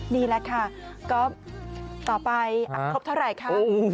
นี่แหละค่ะก็ต่อไปครบเท่าไหร่ค่ะ